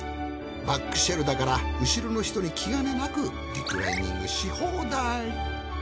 バックシェルだから後ろの人に気兼ねなくリクライニングし放題